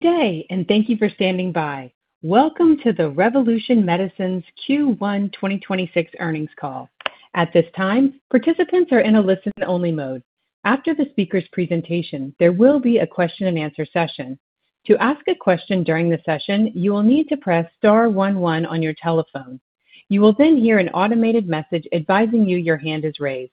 Day, and thank you for standing by. Welcome to the Revolution Medicines Q1 2026 earnings call. At this time, participants are in a listen only mode. After the speaker's presentation, there will be a question and answer session. To ask a question during the session, you will need to press star one one on your telephone. You will then hear an automated message advising you your hand is raised.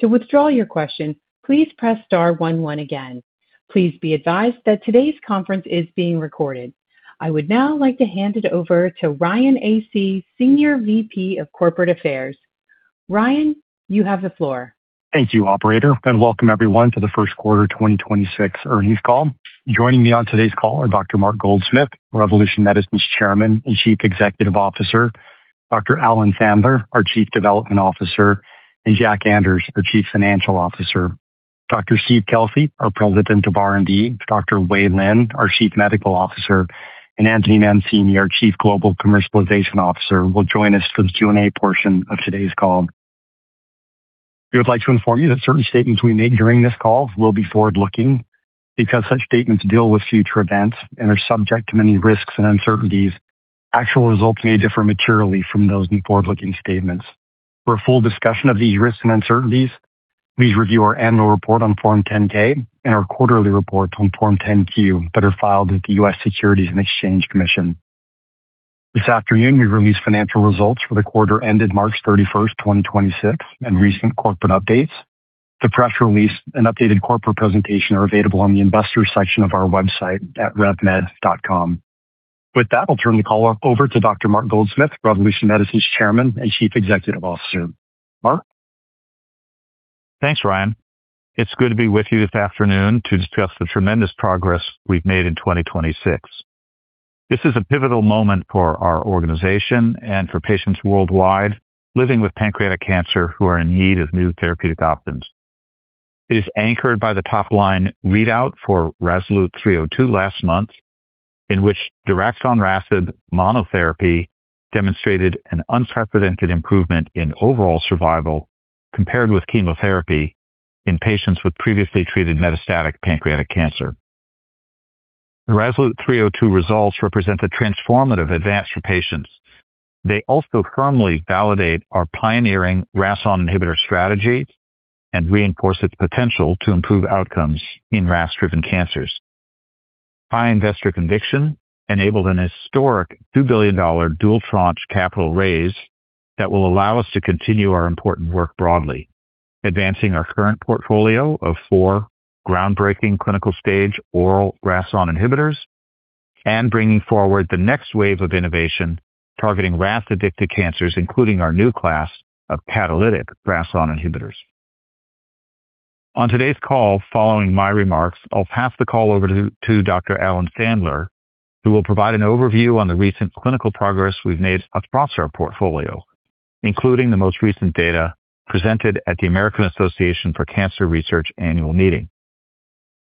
To withdraw your question, please press star one one again. Please be advised that today's conference is being recorded. I would now like to hand it over to Ryan Asay, Senior VP of Corporate Affairs. Ryan, you have the floor. Thank you, operator, and welcome everyone to the first quarter 2026 earnings call. Joining me on today's call are Dr. Mark Goldsmith, Revolution Medicines Chairman and Chief Executive Officer, Dr. Alan Sandler, our Chief Development Officer, and Jack Anders, our Chief Financial Officer. Dr. Steve Kelsey, our President of R&D, Dr. Wei Lin, our Chief Medical Officer, and Anthony Mancini, our Chief Global Commercialization Officer, will join us for the Q&A portion of today's call. We would like to inform you that certain statements we make during this call will be forward-looking, because such statements deal with future events and are subject to many risks and uncertainties. Actual results may differ materially from those in forward-looking statements. For a full discussion of these risks and uncertainties, please review our annual report on Form 10-K and our quarterly report on Form 10-Q that are filed with the U.S. Securities and Exchange Commission. This afternoon, we released financial results for the quarter ended March 31st, 2026, and recent corporate updates. The press release and updated corporate presentation are available on the investor section of our website at revmed.com. With that, I'll turn the call over to Dr. Mark Goldsmith, Revolution Medicines Chairman and Chief Executive Officer. Mark. Thanks, Ryan. It's good to be with you this afternoon to discuss the tremendous progress we've made in 2026. This is a pivotal moment for our organization and for patients worldwide living with pancreatic cancer who are in need of new therapeutic options. It is anchored by the top-line readout for RASolute 302 last month, in which daraxonrasib monotherapy demonstrated an unprecedented improvement in overall survival compared with chemotherapy in patients with previously treated metastatic pancreatic cancer. The RASolute 302 results represent a transformative advance for patients. They also firmly validate our pioneering RAS(ON) inhibitor strategy and reinforce its potential to improve outcomes in RAS-driven cancers. High investor conviction enabled an historic $2 billion dual tranche capital raise that will allow us to continue our important work broadly, advancing our current portfolio of four groundbreaking clinical-stage oral RAS(ON) inhibitors and bringing forward the next wave of innovation targeting RAS-addicted cancers, including our new class of catalytic RAS(ON) inhibitors. On today's call, following my remarks, I'll pass the call over to Dr. Alan Sandler, who will provide an overview on the recent clinical progress we've made across our portfolio, including the most recent data presented at the American Association for Cancer Research annual meeting.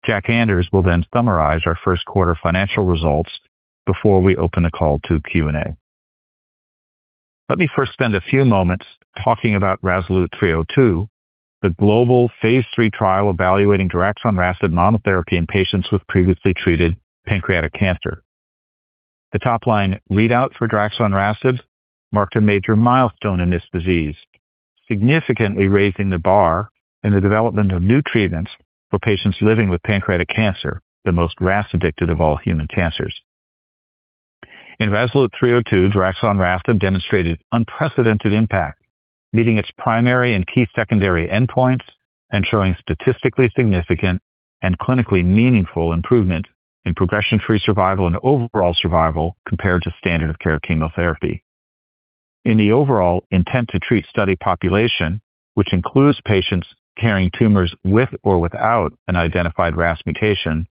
Jack Anders will summarize our first quarter financial results before we open the call to Q&A. Let me first spend a few moments talking about RASolute 302, the global phase III trial evaluating daraxonrasib monotherapy in patients with previously treated pancreatic cancer. The top line readout for daraxonrasib marked a major milestone in this disease, significantly raising the bar in the development of new treatments for patients living with pancreatic cancer, the most RAS-addicted of all human cancers. In RASolute 302, daraxonrasib demonstrated unprecedented impact, meeting its primary and key secondary endpoints and showing statistically significant and clinically meaningful improvement in progression-free survival and overall survival compared to standard of care chemotherapy. In the overall intent to treat study population, which includes patients carrying tumors with or without an identified RAS mutation,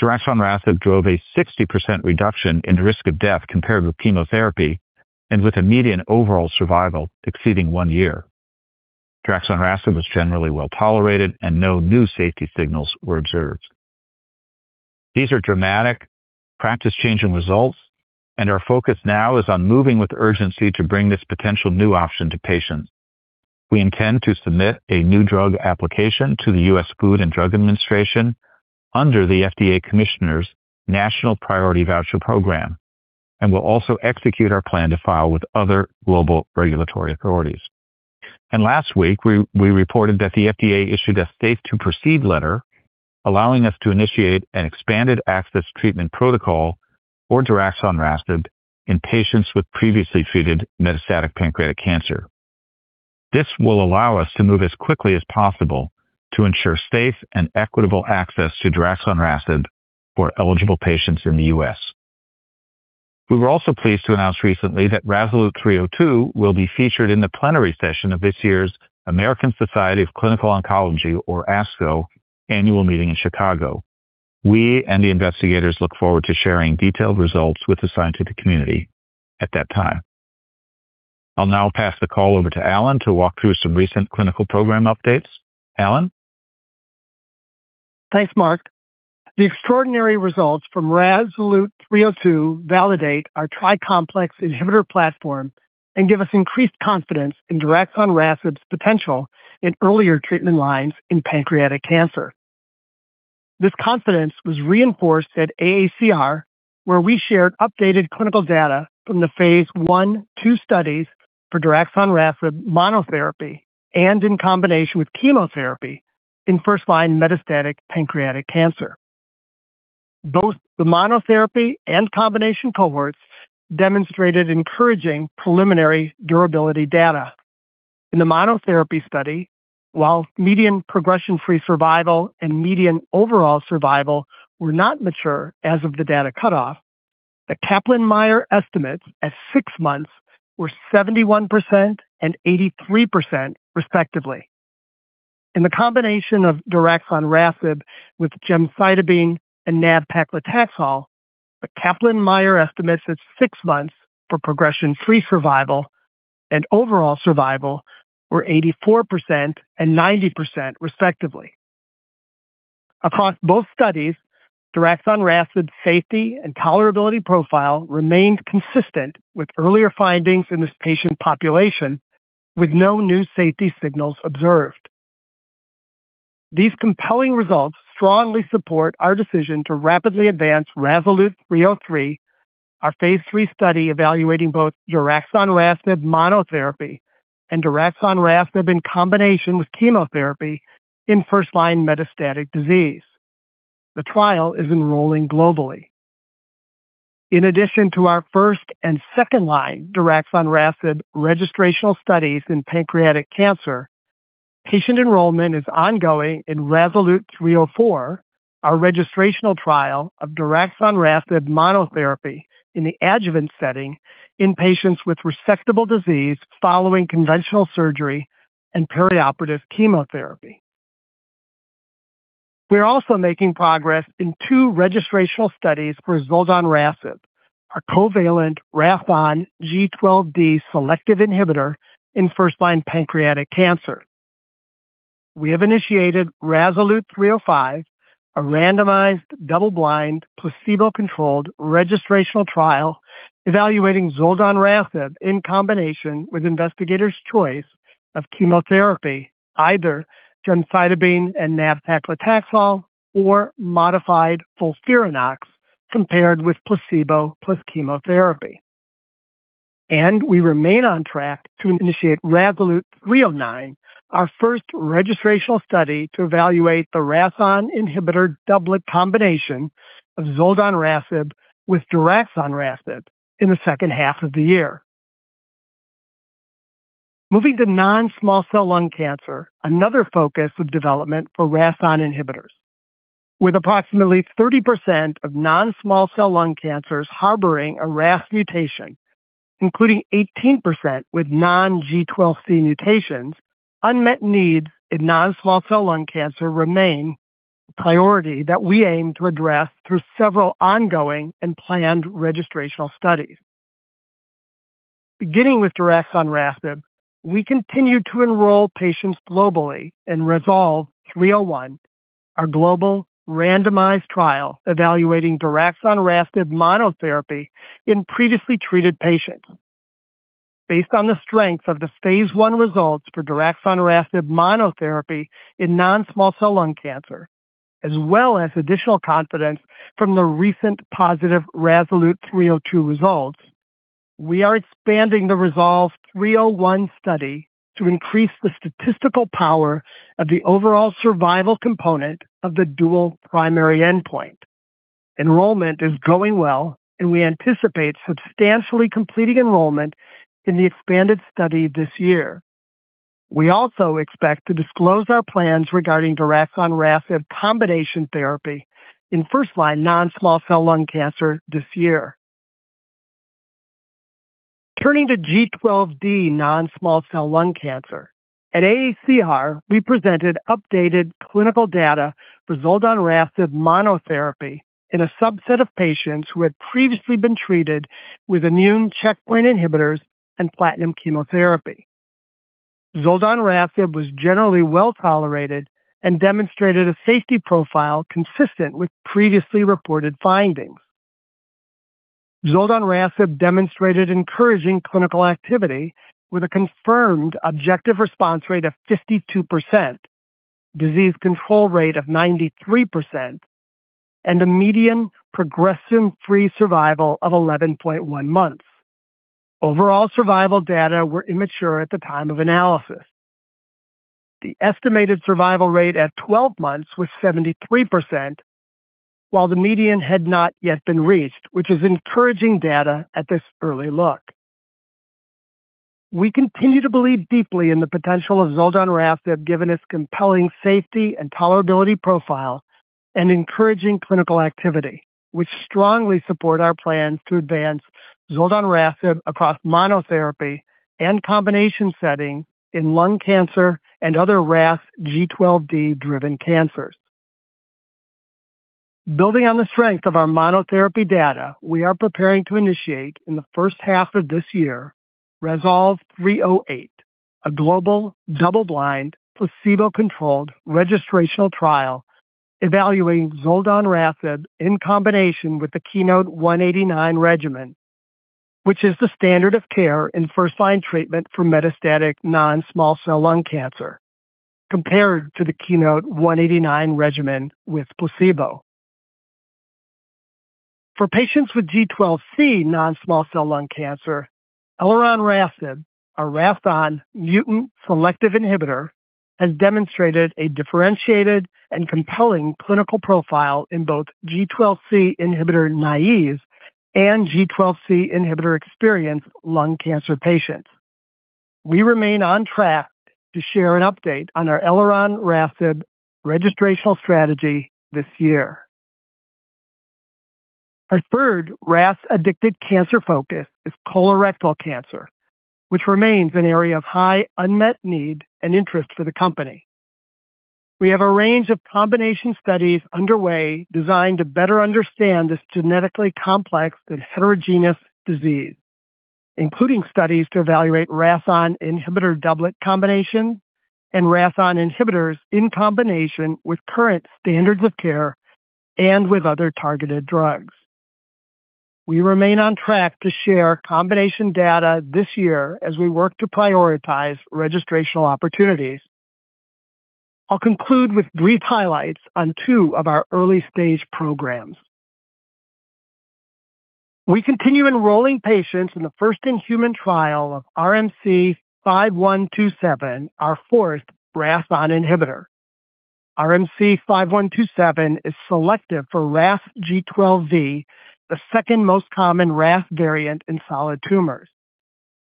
daraxonrasib drove a 60% reduction in risk of death compared with chemotherapy and with a median overall survival exceeding one year. Daraxonrasib was generally well-tolerated and no new safety signals were observed. These are dramatic practice-changing results and our focus now is on moving with urgency to bring this potential new option to patients. We intend to submit a new drug application to the U.S. Food and Drug Administration under the FDA Commissioner's National Priority Voucher Program and will also execute our plan to file with other global regulatory authorities. Last week, we reported that the FDA issued a safe to proceed letter allowing us to initiate an expanded access treatment protocol for daraxonrasib in patients with previously treated metastatic pancreatic cancer. This will allow us to move as quickly as possible to ensure safe and equitable access to daraxonrasib for eligible patients in the U.S. We were also pleased to announce recently that RASolute 302 will be featured in the plenary session of this year's American Society of Clinical Oncology, or ASCO, annual meeting in Chicago. We and the investigators look forward to sharing detailed results with the scientific community at that time. I'll now pass the call over to Alan to walk through some recent clinical program updates. Alan. Thanks, Mark. The extraordinary results from RASolute 302 validate our tri-complex inhibitor platform and give us increased confidence in daraxonrasib's potential in earlier treatment lines in pancreatic cancer. This confidence was reinforced at AACR, where we shared updated clinical data from the phase I/II studies for daraxonrasib monotherapy and in combination with chemotherapy in first-line metastatic pancreatic cancer. Both the monotherapy and combination cohorts demonstrated encouraging preliminary durability data. In the monotherapy study, while median progression-free survival and median overall survival were not mature as of the data cutoff, the Kaplan-Meier estimates at six months were 71% and 83% respectively. In the combination of daraxonrasib with gemcitabine and nab-paclitaxel, the Kaplan-Meier estimates at six months for progression-free survival and overall survival were 84% and 90% respectively. Across both studies, daraxonrasib's safety and tolerability profile remained consistent with earlier findings in this patient population, with no new safety signals observed. These compelling results strongly support our decision to rapidly advance RASolute 303, our phase III study evaluating both daraxonrasib monotherapy and daraxonrasib in combination with chemotherapy in first-line metastatic disease. The trial is enrolling globally. In addition to our first and second-line daraxonrasib registrational studies in pancreatic cancer, patient enrollment is ongoing in RASolute 304, our registrational trial of daraxonrasib monotherapy in the adjuvant setting in patients with resectable disease following conventional surgery and perioperative chemotherapy. We are also making progress in two registrational studies for zoldonrasib, our covalent RAS(ON) G12D selective inhibitor in first-line pancreatic cancer. We have initiated RASolute 305, a randomized, double-blind, placebo-controlled registrational trial evaluating zoldonrasib in combination with investigator's choice of chemotherapy, either gemcitabine and nab-paclitaxel or modified FOLFIRINOX compared with placebo plus chemotherapy. We remain on track to initiate RASolute 309, our first registrational study to evaluate the RAS(ON) inhibitor doublet combination of zoldonrasib with daraxonrasib in the second half of the year. Moving to non-small cell lung cancer, another focus of development for RAS(ON) inhibitors. With approximately 30% of non-small cell lung cancers harboring a RAS mutation, including 18% with non-G12C mutations, unmet needs in non-small cell lung cancer remain a priority that we aim to address through several ongoing and planned registrational studies. Beginning with daraxonrasib, we continue to enroll patients globally in RASolve 301, our global randomized trial evaluating daraxonrasib monotherapy in previously treated patients. Based on the strength of the phase I results for daraxonrasib monotherapy in non-small cell lung cancer, as well as additional confidence from the recent positive RASolute 302 results, we are expanding the RASolve 301 study to increase the statistical power of the overall survival component of the dual primary endpoint. Enrollment is going well, and we anticipate substantially completing enrollment in the expanded study this year. We also expect to disclose our plans regarding daraxonrasib combination therapy in first-line non-small cell lung cancer this year. Turning to G12D non-small cell lung cancer, at AACR, we presented updated clinical data for zoldonrasib monotherapy in a subset of patients who had previously been treated with immune checkpoint inhibitors and platinum chemotherapy. Zoldonrasib was generally well-tolerated and demonstrated a safety profile consistent with previously reported findings. Zoldonrasib demonstrated encouraging clinical activity with a confirmed objective response rate of 52%, disease control rate of 93%, and a median progression-free survival of 11.1 months. Overall survival data were immature at the time of analysis. The estimated survival rate at 12 months was 73%, while the median had not yet been reached, which is encouraging data at this early look. We continue to believe deeply in the potential of zoldonrasib given its compelling safety and tolerability profile and encouraging clinical activity, which strongly support our plans to advance zoldonrasib across monotherapy and combination settings in lung cancer and other RAS G12D-driven cancers. Building on the strength of our monotherapy data, we are preparing to initiate in the first half of this year RASolve 308, a global, double-blind, placebo-controlled registrational trial evaluating zoldonrasib in combination with the KEYNOTE-189 regimen, which is the standard of care in first-line treatment for metastatic non-small cell lung cancer compared to the KEYNOTE-189 regimen with placebo. For patients with G12C non-small cell lung cancer, elironrasib, a RAS(ON) mutant selective inhibitor, has demonstrated a differentiated and compelling clinical profile in both G12C inhibitor naive and G12C inhibitor experienced lung cancer patients. We remain on track to share an update on our elironrasib registrational strategy this year. Our third RAS-addicted cancer focus is colorectal cancer, which remains an area of high unmet need and interest for the company. We have a range of combination studies underway designed to better understand this genetically complex and heterogeneous disease, including studies to evaluate RAS(ON) inhibitor doublet combinations and RAS(ON) inhibitors in combination with current standards of care and with other targeted drugs. We remain on track to share combination data this year as we work to prioritize registrational opportunities. I'll conclude with brief highlights on two of our early stage programs. We continue enrolling patients in the first-in-human trial of RMC-5127, our fourth RAS(ON) inhibitor. RMC-5127 is selective for RAS G12V, the second most common RAS variant in solid tumors.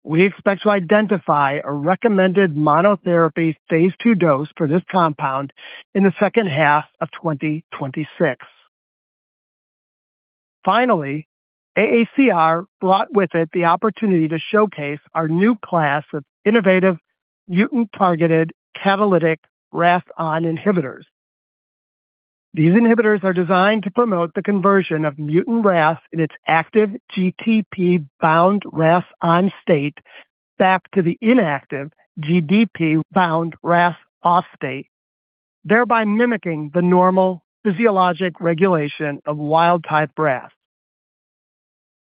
We expect to identify a recommended monotherapy phase II dose for this compound in the second half of 2026. Finally, AACR brought with it the opportunity to showcase our new class of innovative mutant targeted catalytic RAS(ON) inhibitors. These inhibitors are designed to promote the conversion of mutant RAS in its active GTP bound RAS(ON) state back to the inactive GDP bound RAS(OFF) state, thereby mimicking the normal physiologic regulation of wild type RAS.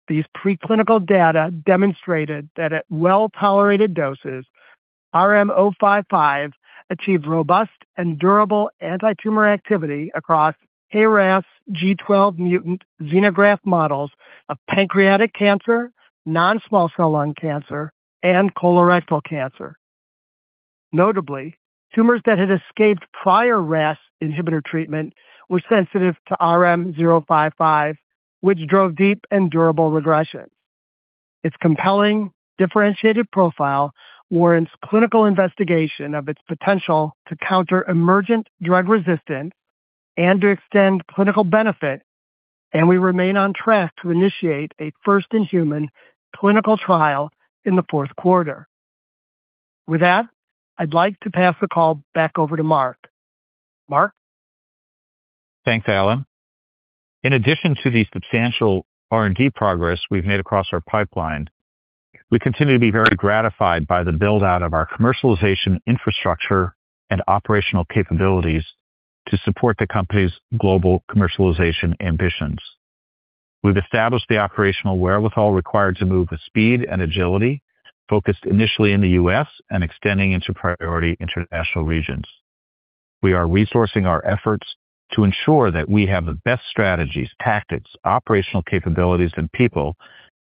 These preclinical data demonstrated that at well-tolerated doses, RM-055 achieved robust and durable antitumor activity across KRAS G12 mutant xenograft models of pancreatic cancer, non-small cell lung cancer, and colorectal cancer. Notably, tumors that had escaped prior RAS inhibitor treatment were sensitive to RM-055, which drove deep and durable regression. Its compelling differentiated profile warrants clinical investigation of its potential to counter emergent drug resistance and to extend clinical benefit, and we remain on track to initiate a first-in-human clinical trial in the fourth quarter. With that, I'd like to pass the call back over to Mark. Mark? Thanks, Alan. In addition to the substantial R&D progress we've made across our pipeline, we continue to be very gratified by the build out of our commercialization infrastructure and operational capabilities to support the company's global commercialization ambitions. We've established the operational wherewithal required to move with speed and agility, focused initially in the U.S. and extending into priority international regions. We are resourcing our efforts to ensure that we have the best strategies, tactics, operational capabilities, and people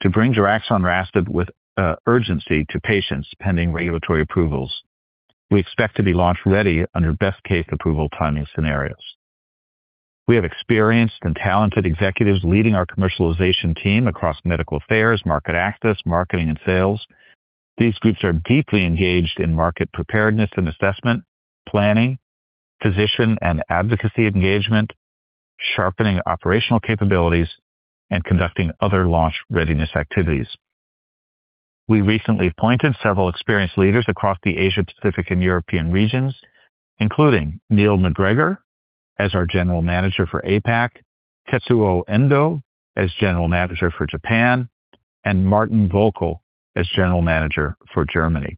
to bring daraxonrasib with urgency to patients pending regulatory approvals. We expect to be launch-ready under best case approval timing scenarios. We have experienced and talented executives leading our commercialization team across medical affairs, market access, marketing, and sales. These groups are deeply engaged in market preparedness and assessment, planning, physician and advocacy engagement, sharpening operational capabilities, and conducting other launch readiness activities. We recently appointed several experienced leaders across the Asia Pacific and European regions, including Neil MacGregor as our General Manager for APAC, Tetsuo Endo as General Manager for Japan, and Martin Voelkl as General Manager for Germany.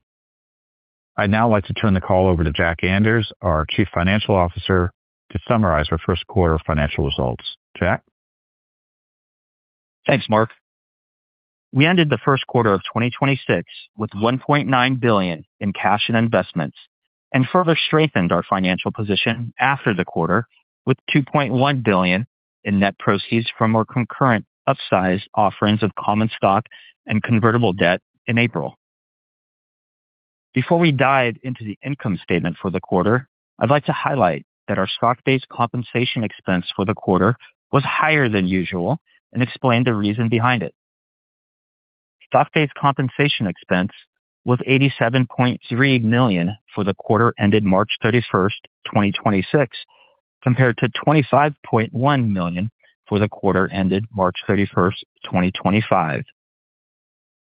I'd now like to turn the call over to Jack Anders, our Chief Financial Officer, to summarize our first quarter financial results. Jack? Thanks, Mark. We ended the first quarter of 2026 with $1.9 billion in cash and investments and further strengthened our financial position after the quarter with $2.1 billion in net proceeds from our concurrent upsized offerings of common stock and convertible debt in April. Before we dive into the income statement for the quarter, I'd like to highlight that our stock-based compensation expense for the quarter was higher than usual and explain the reason behind it. Stock-based compensation expense was $87.3 million for the quarter ended March 31st, 2026, compared to $25.1 million for the quarter ended March 31st, 2025.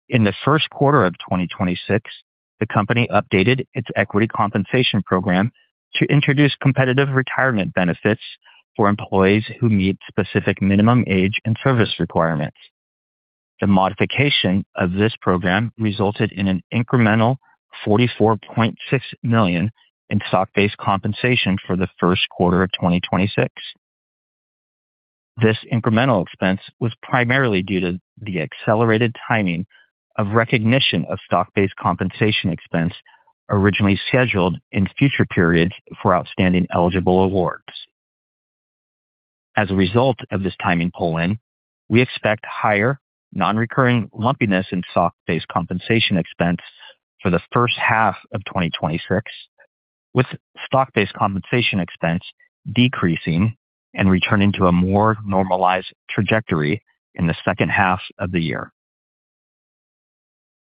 In the first quarter of 2026, the company updated its equity compensation program to introduce competitive retirement benefits for employees who meet specific minimum age and service requirements. The modification of this program resulted in an incremental $44.6 million in stock-based compensation for the first quarter of 2026. This incremental expense was primarily due to the accelerated timing of recognition of stock-based compensation expense originally scheduled in future periods for outstanding eligible awards. As a result of this timing pull-in, we expect higher non-recurring lumpiness in stock-based compensation expense for the first half of 2026, with stock-based compensation expense decreasing and returning to a more normalized trajectory in the second half of the year.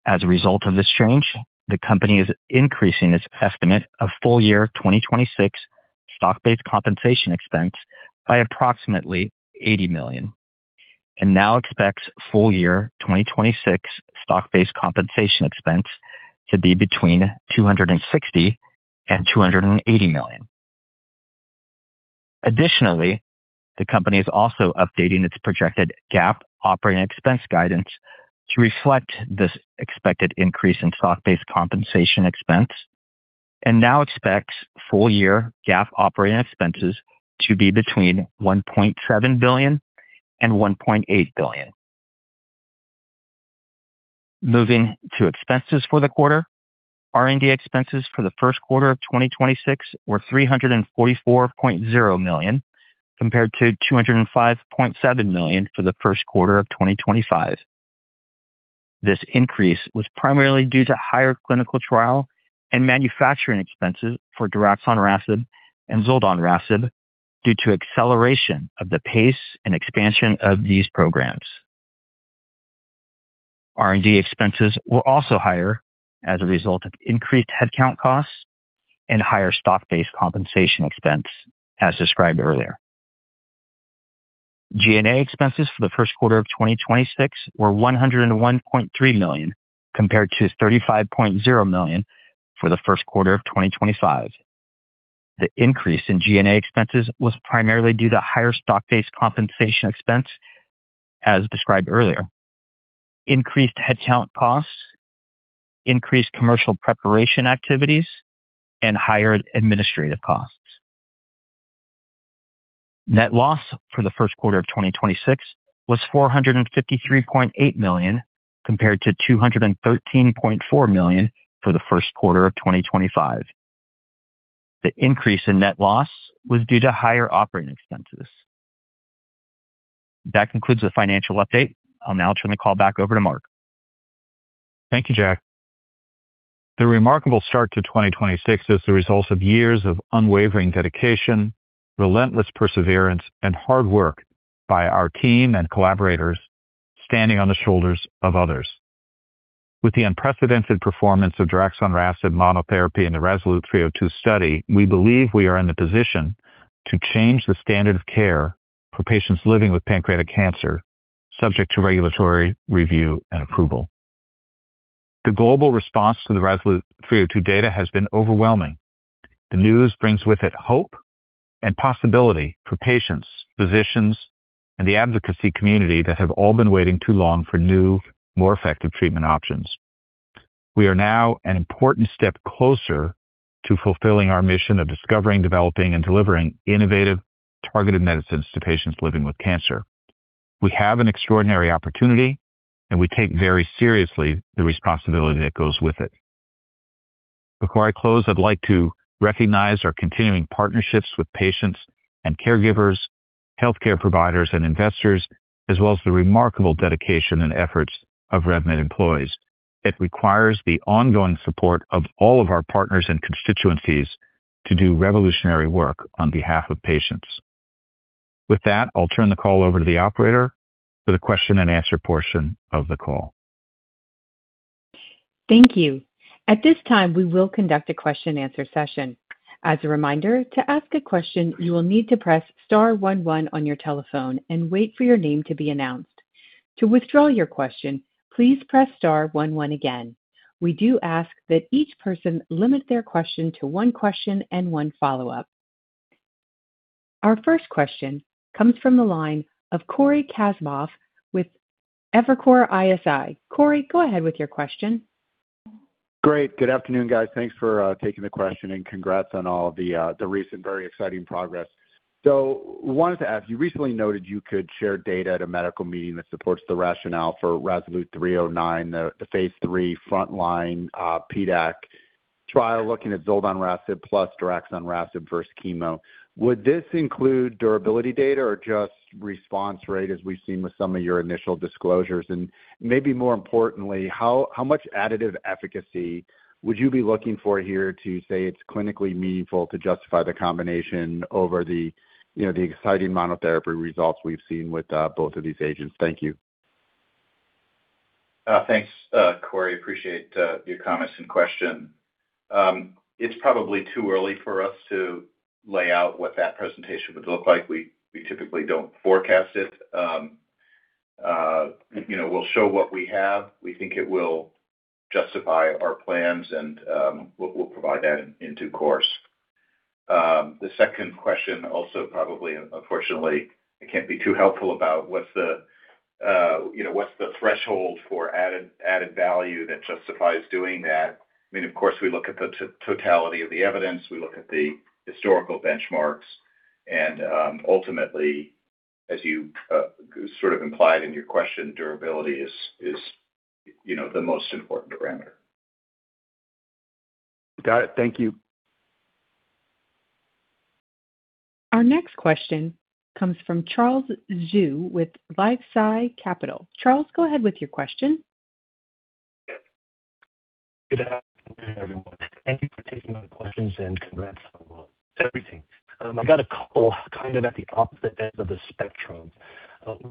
As a result of this change, the company is increasing its estimate of full year 2026 stock-based compensation expense by approximately $80 million, and now expects full year 2026 stock-based compensation expense to be between $260 million and $280 million. Additionally, the company is also updating its projected GAAP operating expense guidance to reflect this expected increase in stock-based compensation expense, and now expects full year GAAP operating expenses to be between $1.7 billion and $1.8 billion. Moving to expenses for the quarter, R&D expenses for the first quarter of 2026 were $344.0 million, compared to $205.7 million for the first quarter of 2025. This increase was primarily due to higher clinical trial and manufacturing expenses for daraxonrasib and zoldonrasib due to acceleration of the pace and expansion of these programs. R&D expenses were also higher as a result of increased headcount costs and higher stock-based compensation expense, as described earlier. G&A expenses for the first quarter of 2026 were $101.3 million, compared to $35.0 million for the first quarter of 2025. The increase in G&A expenses was primarily due to higher stock-based compensation expense, as described earlier, increased headcount costs, increased commercial preparation activities, and higher administrative costs. Net loss for the first quarter of 2026 was $453.8 million, compared to $213.4 million for the first quarter of 2025. The increase in net loss was due to higher operating expenses. That concludes the financial update. I'll now turn the call back over to Mark. Thank you, Jack. The remarkable start to 2026 is the result of years of unwavering dedication, relentless perseverance, and hard work by our team and collaborators standing on the shoulders of others. With the unprecedented performance of daraxonrasib monotherapy in the RASolute 302 study, we believe we are in the position to change the standard of care for patients living with pancreatic cancer, subject to regulatory review and approval. The global response to the RASolute 302 data has been overwhelming. The news brings with it hope and possibility for patients, physicians, and the advocacy community that have all been waiting too long for new, more effective treatment options. We are now an important step closer to fulfilling our mission of discovering, developing, and delivering innovative targeted medicines to patients living with cancer. We have an extraordinary opportunity, and we take very seriously the responsibility that goes with it. Before I close, I'd like to recognize our continuing partnerships with patients and caregivers, healthcare providers, and investors, as well as the remarkable dedication and efforts of RevMed employees. It requires the ongoing support of all of our partners and constituencies to do revolutionary work on behalf of patients. With that, I'll turn the call over to the operator for the question and answer portion of the call. Thank you. At this time, we will conduct a question and answer session. As a reminder, to ask a question, you will need to press star one one on your telephone and wait for your name to be announced. To withdraw your question, please press star one one again. We do ask that each person limit their question to one question and one follow-up. Our first question comes from the line of Cory Kasimov with Evercore ISI. Cory, go ahead with your question. Great. Good afternoon, guys. Thanks for taking the question, congrats on all the recent very exciting progress. Wanted to ask, you recently noted you could share data at a medical meeting that supports the rationale for RASolute 309, the phase III frontline PDAC trial looking at zoldonrasib plus daraxonrasib versus chemo. Would this include durability data or just response rate as we've seen with some of your initial disclosures? Maybe more importantly, how much additive efficacy would you be looking for here to say it's clinically meaningful to justify the combination over the, you know, the exciting monotherapy results we've seen with both of these agents? Thank you. Thanks, Cory. Appreciate your comments and question. It's probably too early for us to lay out what that presentation would look like. We typically don't forecast it. You know, we'll show what we have. We think it will justify our plans, and we'll provide that in due course. The second question also probably, unfortunately, I can't be too helpful about what the, you know, what's the threshold for added value that justifies doing that? I mean, of course, we look at the totality of the evidence. We look at the historical benchmarks, and, ultimately, as you sort of implied in your question, durability is, you know, the most important parameter. Got it. Thank you. Our next question comes from Charles Zhu with LifeSci Capital. Charles, go ahead with your question. Yes. Good afternoon, everyone. Thank you for taking my questions, and congrats on everything. I got a couple kind of at the opposite end of the spectrum.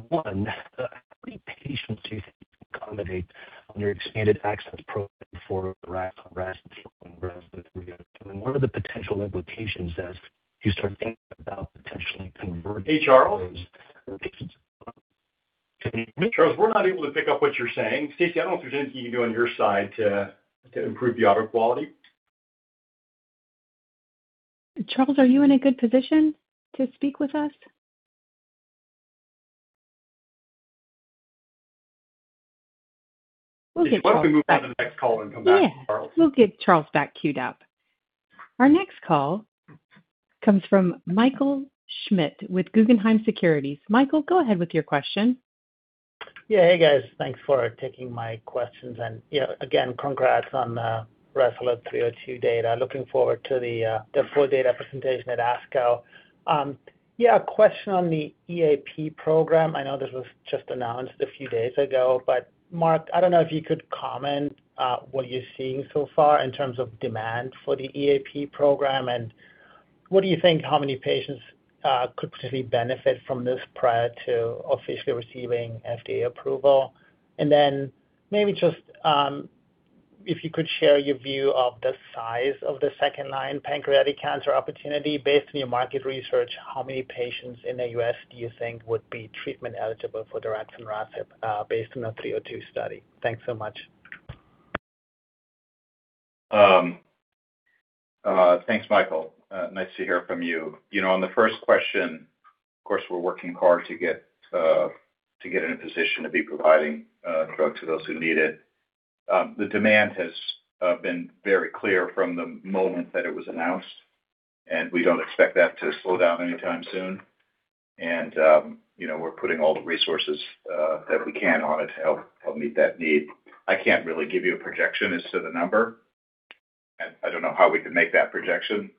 One, how many patients do you think you can accommodate on your expanded access program for the daraxonrasib program with 302? What are the potential implications as you start thinking about potentially converting. Hey, Charles. Can you hear me? Charles, we're not able to pick up what you're saying. Stacy, I don't know if there's anything you can do on your side to improve the audio quality. Charles, are you in a good position to speak with us? We'll get Charles back. Why don't we move on to the next call and come back to Charles? Yeah. We'll get Charles back queued up. Our next call comes from Michael Schmidt with Guggenheim Securities. Michael, go ahead with your question. Yeah. Hey, guys. Thanks for taking my questions. You know, again, congrats on RASolute 302 data. Looking forward to the full data presentation at ASCO. Yeah, a question on the EAP program. I know this was just announced a few days ago, but Mark, I don't know if you could comment what you're seeing so far in terms of demand for the EAP program, and what do you think how many patients could potentially benefit from this prior to officially receiving FDA approval? Maybe just, if you could share your view of the size of the second-line pancreatic cancer opportunity. Based on your market research, how many patients in the U.S. do you think would be treatment eligible for the daraxonrasib based on the 302 study? Thanks so much. Thanks, Michael. Nice to hear from you. You know, on the first question, of course, we're working hard to get to get in a position to be providing drugs to those who need it. The demand has been very clear from the moment that it was announced, and we don't expect that to slow down anytime soon. You know, we're putting all the resources that we can on it to help meet that need. I can't really give you a projection as to the number. I don't know how we could make that projection.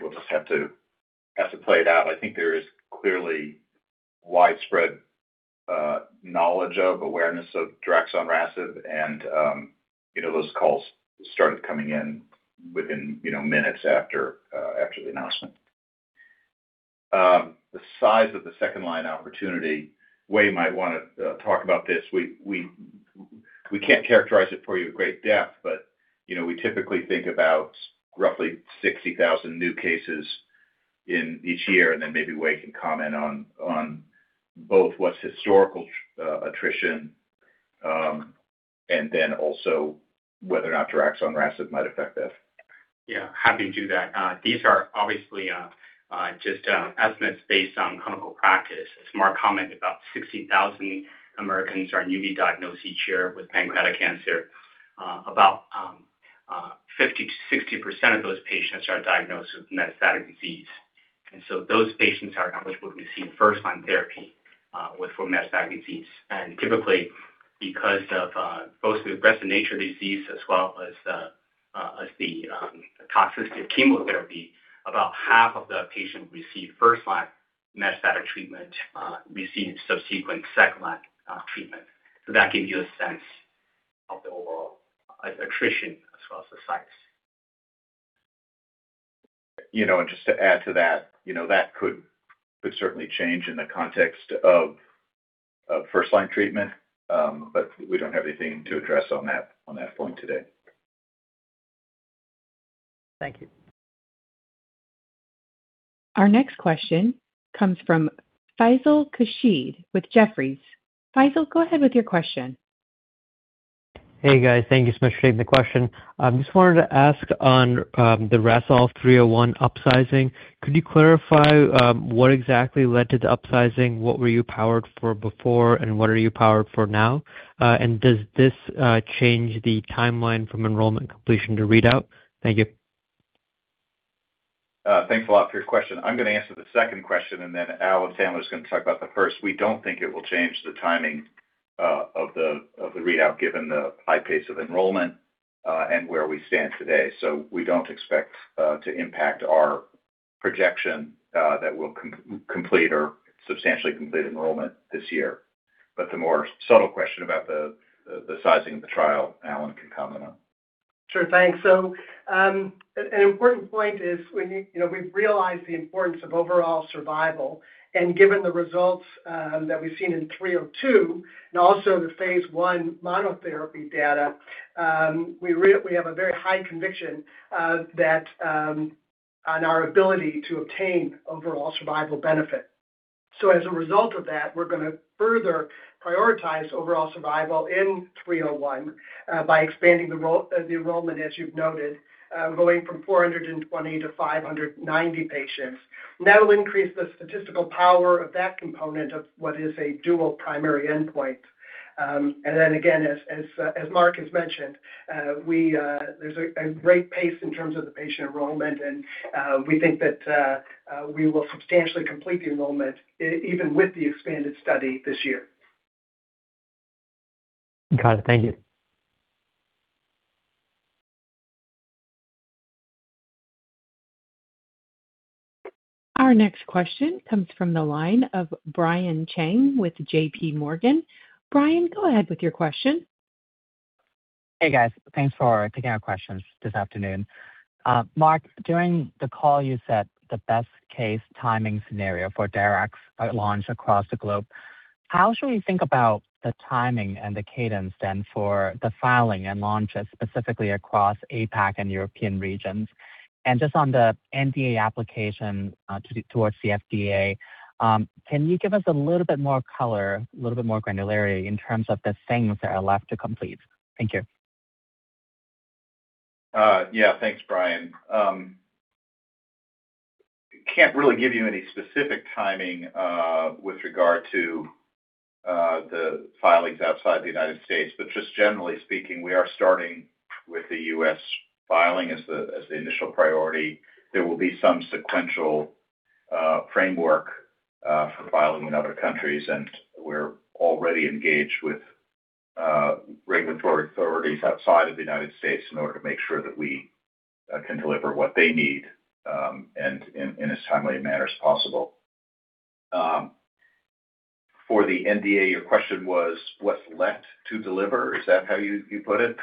We'll just have to play it out. I think there is clearly widespread knowledge of awareness of daraxonrasib and, you know, those calls started coming in within, you know, minutes after after the announcement. The size of the second line opportunity, Wei might wanna talk about this. We can't characterize it for you in great depth, but, you know, we typically think about roughly 60,000 new cases in each year, and then maybe Wei can comment on both what's historical attrition, and then also whether or not daraxonrasib might affect that. Yeah, happy to do that. These are obviously just estimates based on clinical practice. As Mark Goldsmith commented, about 60,000 Americans are newly diagnosed each year with pancreatic cancer. About 50%-60% of those patients are diagnosed with metastatic disease. Those patients are eligible to receive first-line therapy for metastatic disease. Typically, because of both the aggressive nature of disease as well as the toxicity of chemotherapy, about half of the patients receive first-line metastatic treatment, receive subsequent second-line treatment. That gives you a sense of the overall attrition as well as the size. You know, just to add to that, you know, that could certainly change in the context of first-line treatment, but we don't have anything to address on that, on that point today. Thank you. Our next question comes from Faisal Khurshid with Jefferies. Faisal, go ahead with your question. Hey, guys. Thank you so much for taking the question. Just wanted to ask on the RASolve 301 upsizing. Could you clarify what exactly led to the upsizing? What were you powered for before, and what are you powered for now? Does this change the timeline from enrollment completion to readout? Thank you. Thanks a lot for your question. I'm gonna answer the second question. Alan Sandler is gonna talk about the first. We don't think it will change the timing of the readout given the high pace of enrollment and where we stand today. We don't expect to impact our projection that we'll complete or substantially complete enrollment this year. The more subtle question about the sizing of the trial, Alan can comment on. Sure. Thanks. You know, an important point is we've realized the importance of overall survival. Given the results that we've seen in 302 and also the phase I monotherapy data, we have a very high conviction that on our ability to obtain overall survival benefit. As a result of that, we're gonna further prioritize overall survival in 301 by expanding the roll, the enrollment, as you've noted, going from 420 to 590 patients. That'll increase the statistical power of that component of what is a dual primary endpoint. Again, as Mark has mentioned, we, there's a great pace in terms of the patient enrollment, and we think that we will substantially complete the enrollment even with the expanded study this year. Got it. Thank you. Our next question comes from the line of Brian Cheng with JPMorgan. Brian, go ahead with your question. Hey, guys. Thanks for taking our questions this afternoon. Mark, during the call, you said the best case timing scenario for darax launch across the globe. How should we think about the timing and the cadence then for the filing and launches specifically across APAC and European regions? Just on the NDA application towards the FDA, can you give us a little bit more color, a little bit more granularity in terms of the things that are left to complete? Thank you. Yeah. Thanks, Brian. Can't really give you any specific timing with regard to the filings outside the United States, but just generally speaking, we are starting with the U.S. filing as the initial priority. There will be some sequential framework for filing in other countries, and we're already engaged with regulatory authorities outside of the United States in order to make sure that we can deliver what they need and in as timely a manner as possible. For the NDA, your question was what's left to deliver? Is that how you put it?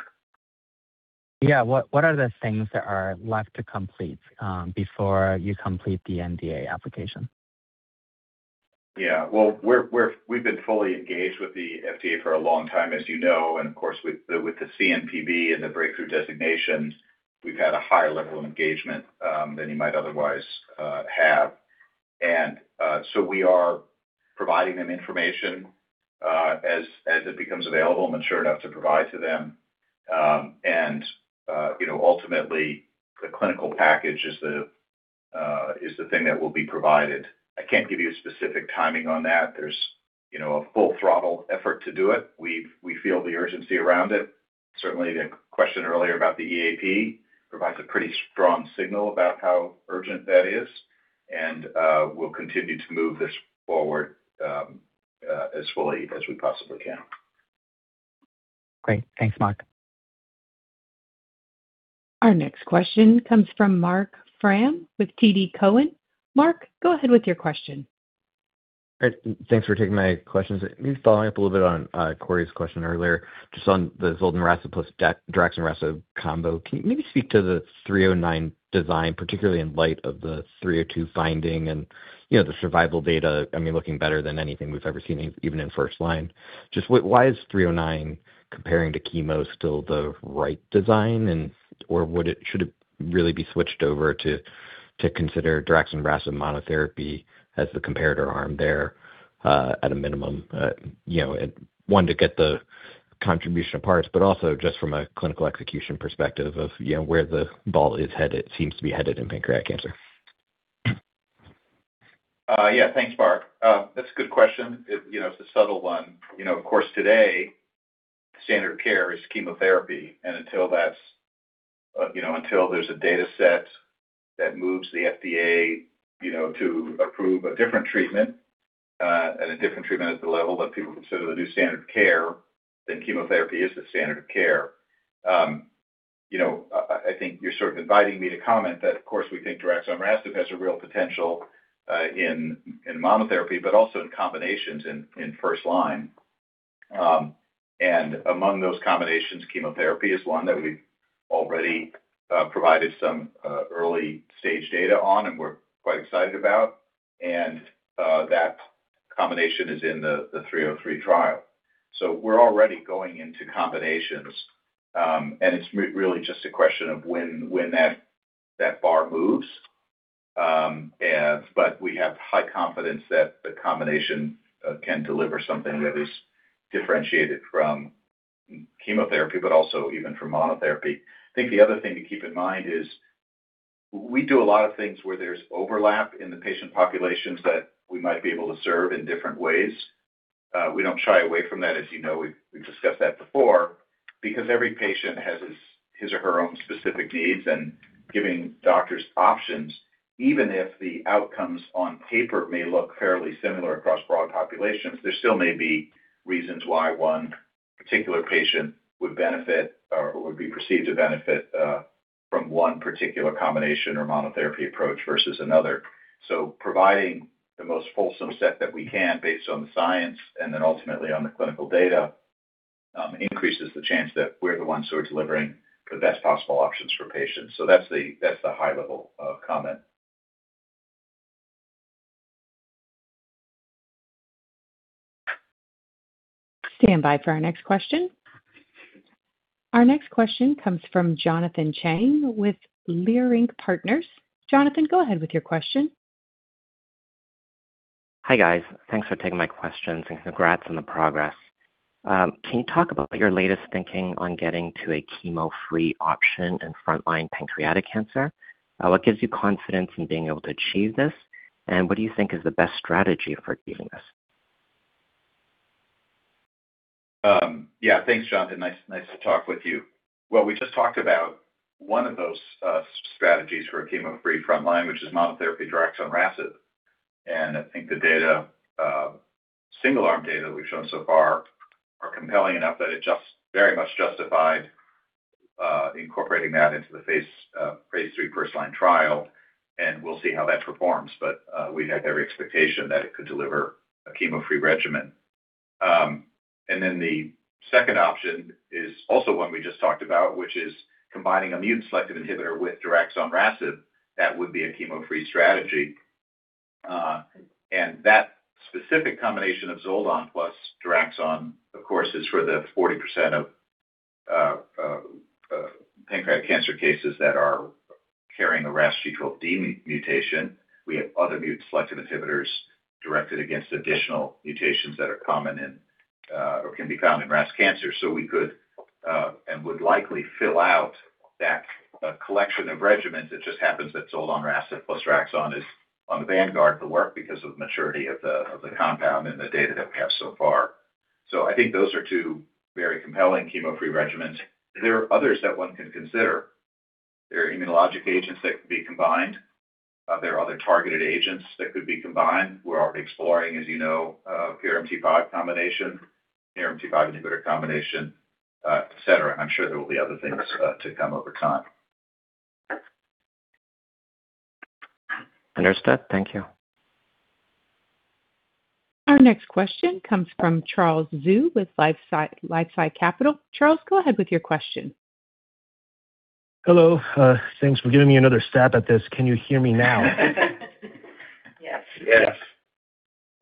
Yeah. What, what are the things that are left to complete before you complete the NDA application? Well, we've been fully engaged with the FDA for a long time, as you know, of course, with the CNPV and the breakthrough designations, we've had a higher level of engagement than you might otherwise have. We are providing them information as it becomes available and mature enough to provide to them. You know, ultimately, the clinical package is the thing that will be provided. I can't give you specific timing on that. There's, you know, a full throttle effort to do it. We feel the urgency around it. Certainly, the question earlier about the EAP provides a pretty strong signal about how urgent that is, we'll continue to move this forward as fully as we possibly can. Great. Thanks, Mark. Our next question comes from Marc Frahm with TD Cowen. Marc, go ahead with your question. Great. Thanks for taking my questions. Maybe following up a little bit on Cory's question earlier, just on the zoldonrasib plus daraxonrasib combo. Can you maybe speak to the 309 design, particularly in light of the 302 finding and, you know, the survival data, I mean, looking better than anything we've ever seen, even in first line? Just why is 309 comparing to chemo still the right design or should it really be switched over to consider daraxonrasib monotherapy as the comparator arm there, at a minimum? You know, one, to get the contribution of parts, but also just from a clinical execution perspective of, you know, where the ball is headed, seems to be headed in pancreatic cancer. Yeah. Thanks, Marc. That's a good question. It, you know, it's a subtle one. You know, of course, today, standard care is chemotherapy. Until that's, you know, until there's a data set that moves the FDA, you know, to approve a different treatment, and a different treatment at the level that people consider the new standard of care, then chemotherapy is the standard of care. You know, I think you're sort of inviting me to comment that, of course, we think daraxonrasib has a real potential, in monotherapy, but also in combinations in first line. Among those combinations, chemotherapy is one that we've already provided some early stage data on and we're quite excited about. That combination is in the 303 trial. We're already going into combinations. It's really just a question of when that bar moves. We have high confidence that the combination can deliver something that is differentiated from chemotherapy, but also even from monotherapy. I think the other thing to keep in mind is we do a lot of things where there's overlap in the patient populations that we might be able to serve in different ways. We don't shy away from that, as you know. We've discussed that before. Because every patient has his or her own specific needs, and giving doctors options, even if the outcomes on paper may look fairly similar across broad populations, there still may be reasons why one particular patient would benefit or would be perceived to benefit from one particular combination or monotherapy approach versus another. Providing the most fulsome set that we can based on the science and then ultimately on the clinical data, increases the chance that we're the ones who are delivering the best possible options for patients. That's the high level of comment. Stand by for our next question. Our next question comes from Jonathan Chang with Leerink Partners. Jonathan, go ahead with your question. Hi, guys. Thanks for taking my questions, and congrats on the progress. Can you talk about your latest thinking on getting to a chemo-free option in frontline pancreatic cancer? What gives you confidence in being able to achieve this? What do you think is the best strategy for doing this? Yeah. Thanks, Jonathan. Nice to talk with you. Well, we just talked about one of those strategies for a chemo-free frontline, which is monotherapy daraxonrasib. I think the data, single-arm data we've shown so far are compelling enough that it just very much justified incorporating that into the phase III first line trial, and we'll see how that performs. We have every expectation that it could deliver a chemo-free regimen. The second option is also one we just talked about, which is combining mutant-selective inhibitor with daraxonrasib. That would be a chemo-free strategy. That specific combination of zoldonrasib plus daraxonrasib, of course, is for the 40% of pancreatic cancer cases that are carrying a RAS G12D mutation. We have other multi-selective inhibitors directed against additional mutations that are common in or can be found in RAS cancer. We could and would likely fill out that collection of regimens. It just happens that zoldonrasib plus daraxonrasib is on the vanguard of the work because of maturity of the compound and the data that we have so far. I think those are two very compelling chemo-free regimens. There are others that one can consider. There are immunologic agents that could be combined. There are other targeted agents that could be combined. We're already exploring, as you know, PRMT5 combination, PRMT5 inhibitor combination, et cetera. I'm sure there will be other things to come over time. Understood. Thank you. Our next question comes from Charles Zhu with LifeSci Capital. Charles, go ahead with your question. Hello. Thanks for giving me another stab at this. Can you hear me now? Yes. Yes.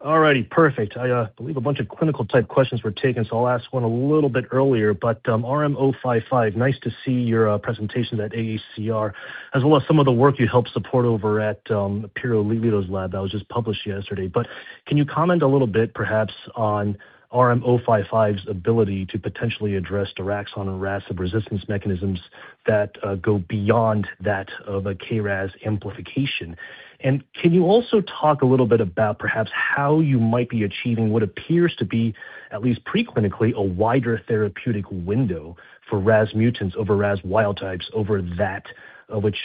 All righty. Perfect. I believe a bunch of clinical type questions were taken, so I'll ask one a little bit earlier. RM-055, nice to see your presentation at AACR, as well as some of the work you helped support over at Pier Paolo Pandolfi's lab that was just published yesterday. Can you comment a little bit perhaps on RM-055's ability to potentially address daraxonrasib resistance mechanisms that go beyond that of a KRAS amplification? Can you also talk a little bit about perhaps how you might be achieving what appears to be, at least pre-clinically, a wider therapeutic window for RAS mutants over RAS wild types over that which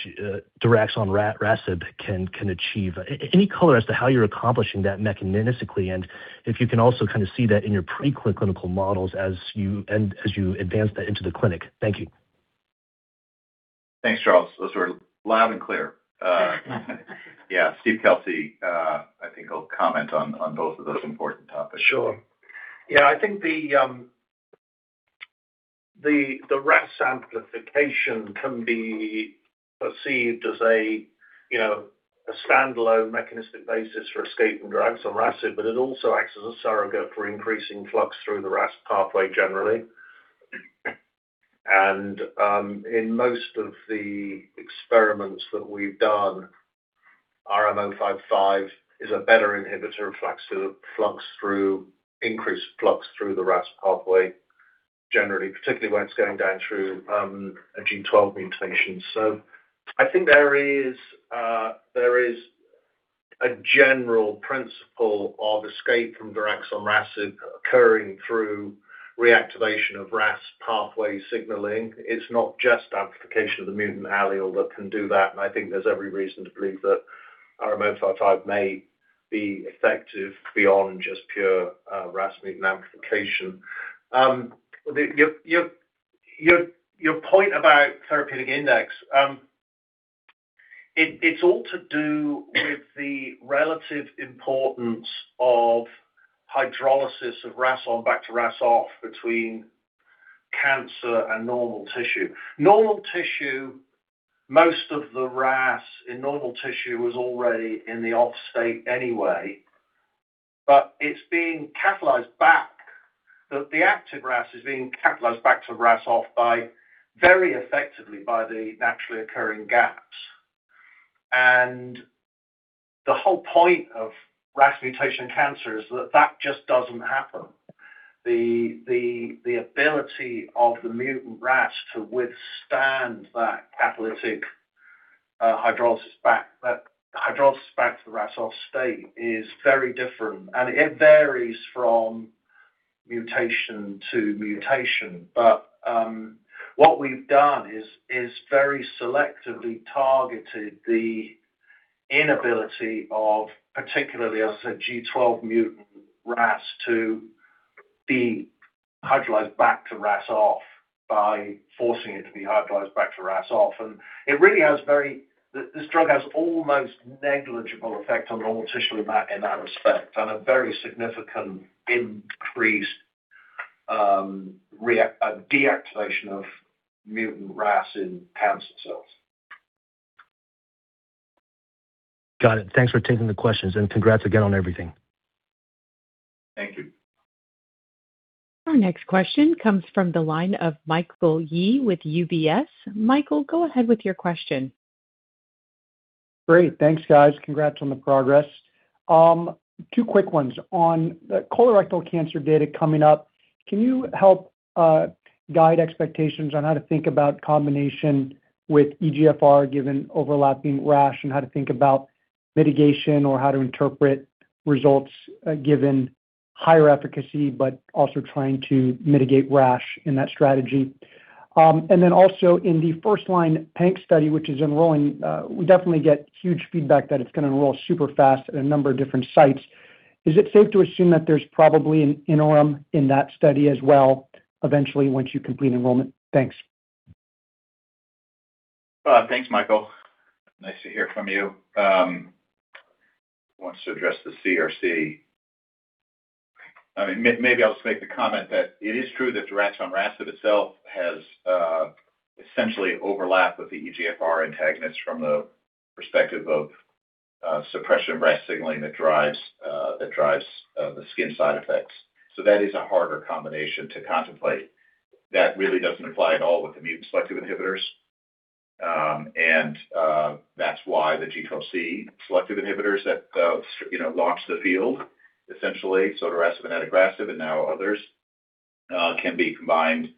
daraxonrasib can achieve? Any color as to how you're accomplishing that mechanistically, and if you can also kind of see that in your pre-clinical models as you advance that into the clinic. Thank you. Thanks, Charles. Those were loud and clear. Yeah, Steve Kelsey, I think will comment on both of those important topics. Sure. Yeah, I think the RAS amplification can be perceived as a, you know, a standalone mechanistic basis for escape from daraxonrasib, but it also acts as a surrogate for increasing flux through the RAS pathway generally. In most of the experiments that we've done, RM-055 is a better inhibitor of flux through, increased flux through the RAS pathway generally, particularly when it's going down through a G12 mutation. I think there is a general principle of escape from daraxonrasib occurring through reactivation of RAS pathway signaling. It's not just amplification of the mutant allele that can do that, and I think there's every reason to believe that RM-055 may be effective beyond just pure RAS mutant amplification. Your point about therapeutic index, it's all to do with the relative importance of hydrolysis of RAS(ON) back to RAS(OFF) between cancer and normal tissue. Normal tissue, most of the RAS in normal tissue was already in the OFF state anyway, but it's being catalyzed back. The active RAS is being catalyzed back to RAS(OFF) by very effectively by the naturally occurring GAPs. The whole point of RAS mutation cancer is that that just doesn't happen. The ability of the mutant RAS to withstand that catalytic hydrolysis back, that hydrolysis back to the RAS(OFF) state is very different, and it varies from mutation to mutation. What we've done is very selectively targeted the inability of, particularly, as I said, G12 mutant RAS to be hydrolyzed back to RAS(OFF) by forcing it to be hydrolyzed back to RAS(OFF). This drug has almost negligible effect on normal tissue in that respect and a very significant increased a deactivation of mutant RAS in cancer cells. Got it. Thanks for taking the questions. Congrats again on everything. Thank you. Our next question comes from the line of Michael Yee with UBS. Michael, go ahead with your question. Great. Thanks, guys. Congrats on the progress. Two quick ones. On the colorectal cancer data coming up, can you help guide expectations on how to think about combination with EGFR given overlapping rash, and how to think about mitigation or how to interpret results given higher efficacy, but also trying to mitigate rash in that strategy? Also in the first-line PDAC study, which is enrolling, we definitely get huge feedback that it's gonna enroll super fast at a number of different sites. Is it safe to assume that there's probably an interim in that study as well eventually once you complete enrollment? Thanks. Thanks, Michael. Nice to hear from you. Who wants to address the CRC? I mean, maybe I'll just make the comment that it is true that daraxonrasib itself has essentially overlap with the EGFR antagonists from the perspective of suppression RAS signaling that drives the skin side effects. That is a harder combination to contemplate. That really doesn't apply at all with the mutant selective inhibitors. That's why the G12C selective inhibitors that, you know, launched the field essentially, sotorasib and adagrasib and now others, can be combined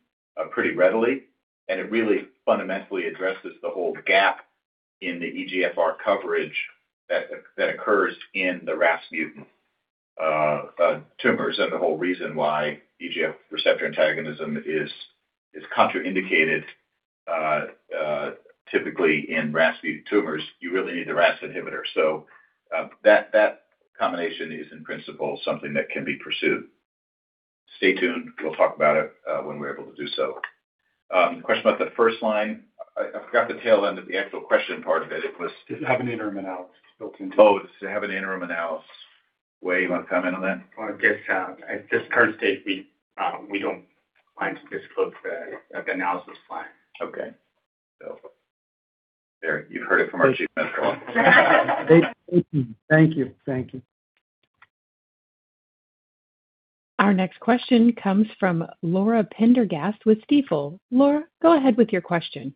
pretty readily. It really fundamentally addresses the whole gap in the EGFR coverage that occurs in the RAS mutant tumors. The whole reason why EGF receptor antagonism is contraindicated, typically in RAS mutant tumors, you really need the RAS inhibitor. That combination is in principle something that can be pursued. Stay tuned. We'll talk about it when we're able to do so. The question about the first line, I forgot the tail end of the actual question part of it. It was. Does it have an interim analysis built into it? Oh, does it have an interim analysis? Wei, you wanna comment on that? Well, I guess, at this current state, we don't plan to disclose the analysis plan. Okay. There, you've heard it from our Chief Medical Officer. Thank you. Thank you. Thank you. Our next question comes from Laura Prendergast with Stifel. Laura, go ahead with your question.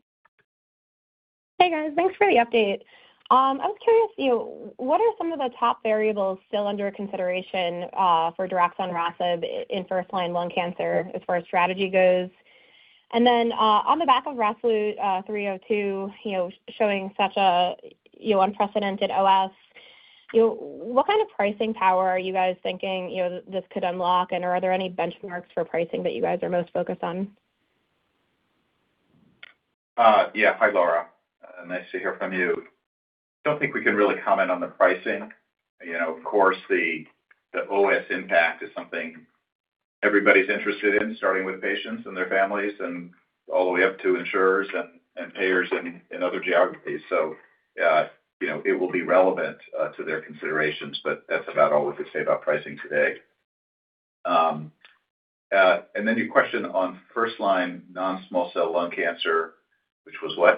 Hey, guys. Thanks for the update. I was curious, you know, what are some of the top variables still under consideration, for daraxonrasib in first-line lung cancer as far as strategy goes? On the back of RASolute 302, you know, showing such a, you know, unprecedented OS, you know, what kind of pricing power are you guys thinking, you know, this could unlock? Are there any benchmarks for pricing that you guys are most focused on? Yeah. Hi, Laura. Nice to hear from you. Don't think we can really comment on the pricing. You know, of course, the OS impact is something everybody's interested in, starting with patients and their families and all the way up to insurers and payers in other geographies. You know, it will be relevant to their considerations, but that's about all we could say about pricing today. Your question on first line non-small cell lung cancer, which was what?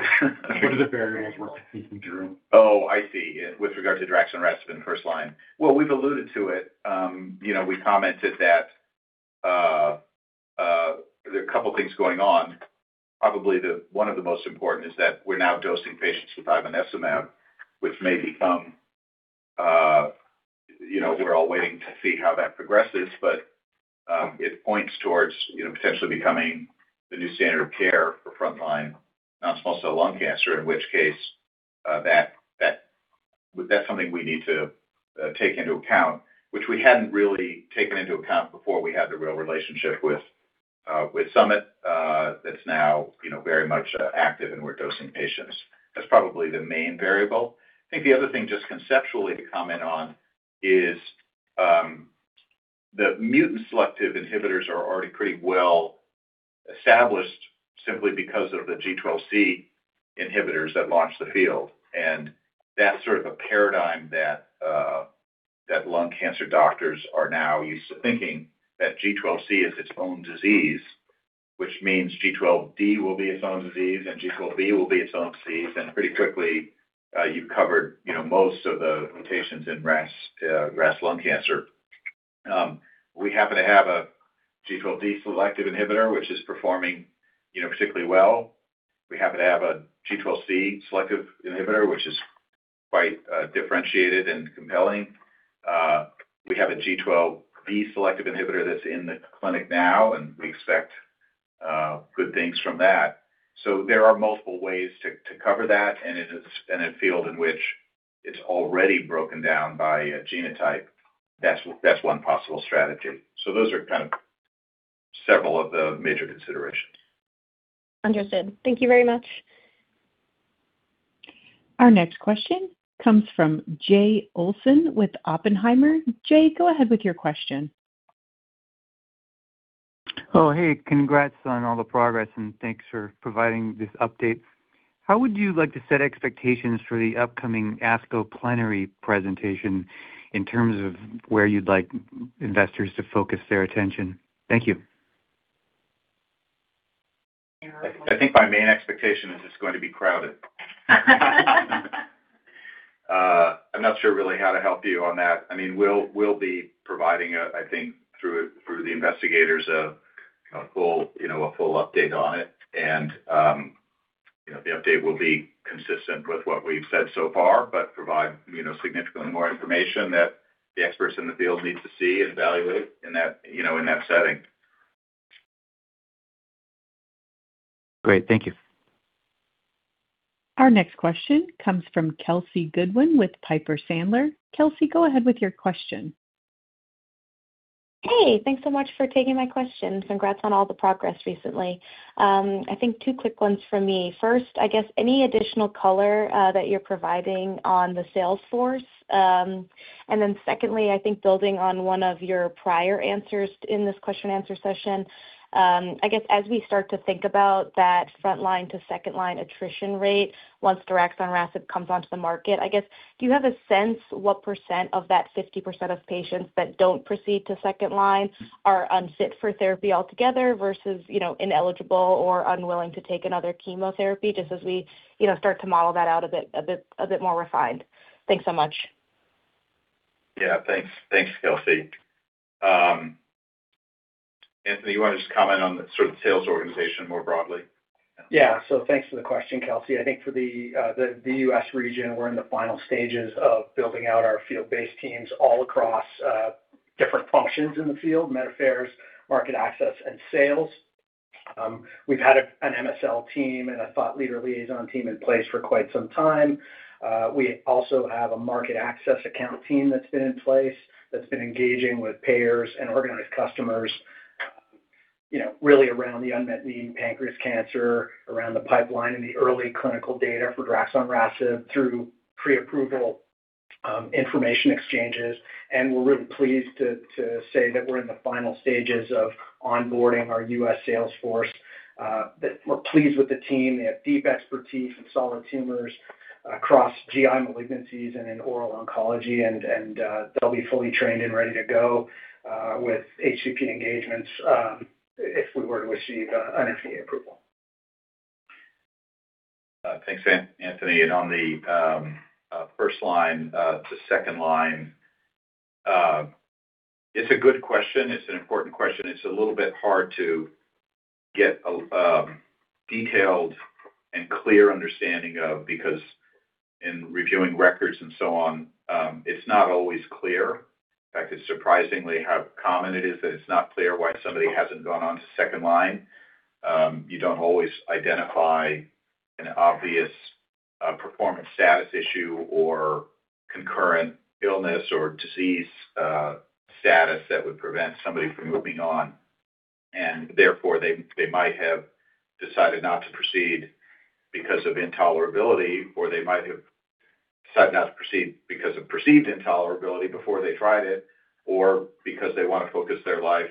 What are the variables we're thinking through? Oh, I see. With regard to daraxonrasib in first-line. We've alluded to it. You know, we commented that there are a couple of things going on. Probably one of the most important is that we're now dosing patients with ivonescimab, which may become, you know, we're all waiting to see how that progresses, but it points towards, you know, potentially becoming the new standard of care for first-line non-small cell lung cancer, in which case, that's something we need to take into account, which we hadn't really taken into account before we had the real relationship with Summit. That's now, you know, very much active and we're dosing patients. That's probably the main variable. I think the other thing just conceptually to comment on is, the mutant selective inhibitors are already pretty well established simply because of the G12C inhibitors that launched the field. That's sort of a paradigm that lung cancer doctors are now used to thinking that G12C is its own disease, which means G12D will be its own disease and G12V will be its own disease. Pretty quickly, you've covered, you know, most of the mutations in RAS, RAS lung cancer. We happen to have a G12D selective inhibitor which is performing, you know, particularly well. We happen to have a G12C selective inhibitor, which is quite differentiated and compelling. We have a G12V selective inhibitor that's in the clinic now, and we expect good things from that. There are multiple ways to cover that, and it is in a field in which it's already broken down by a genotype. That's one possible strategy. Those are kind of several of the major considerations. Understood. Thank you very much. Our next question comes from Jay Olson with Oppenheimer. Jay, go ahead with your question. Oh, hey. Congrats on all the progress. Thanks for providing this update. How would you like to set expectations for the upcoming ASCO plenary presentation in terms of where you'd like investors to focus their attention? Thank you. I think my main expectation is it's going to be crowded. I'm not sure really how to help you on that. I mean, we'll be providing a, I think through the investigators a, you know, a full update on it and, you know, the update will be consistent with what we've said so far, but provide, you know, significantly more information that the experts in the field need to see and evaluate in that, you know, in that setting. Great. Thank you. Our next question comes from Kelsey Goodwin with Piper Sandler. Kelsey, go ahead with your question. Hey, thanks so much for taking my question. Congrats on all the progress recently. I think two quick ones from me. First, I guess any additional color that you're providing on the sales force. Secondly, I think building on one of your prior answers in this question answer session, I guess as we start to think about that front line to second line attrition rate once daraxonrasib comes onto the market, I guess, do you have a sense what percent of that 50% of patients that don't proceed to second line are unfit for therapy altogether versus, you know, ineligible or unwilling to take another chemotherapy just as we, you know, start to model that out a bit more refined? Thanks so much. Yeah, thanks. Thanks, Kelsey. Anthony, you wanna just comment on the sort of sales organization more broadly? Thanks for the question, Kelsey. I think for the U.S. region, we're in the final stages of building out our field-based teams all across different functions in the field, Medical Affairs, market access and sales. We've had an MSL team and a thought leader liaison team in place for quite some time. We also have a market access account team that's been in place, that's been engaging with payers and organized customers, you know, really around the unmet need in pancreas cancer, around the pipeline and the early clinical data for daraxonrasib through pre-approval information exchanges. We're really pleased to say that we're in the final stages of onboarding our U.S. sales force that we're pleased with the team. They have deep expertise in solid tumors across GI malignancies and in oral oncology, and they'll be fully trained and ready to go with HCP engagements, if we were to receive an FDA approval. Thanks Anthony. On the first line to second line, it's a good question. It's an important question. It's a little bit hard to get a detailed and clear understanding of because in reviewing records and so on, it's not always clear. In fact, it's surprisingly how common it is that it's not clear why somebody hasn't gone on to second line. You don't always identify an obvious performance status issue or concurrent illness or disease status that would prevent somebody from moving on, and therefore they might have decided not to proceed because of intolerability, or they might have decided not to proceed because of perceived intolerability before they tried it, or because they wanna focus their life